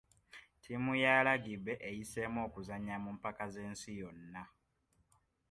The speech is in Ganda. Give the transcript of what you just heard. Ttiimu ya lagibe eyiseemu okuzannya mu mpaka z'ensi yonna.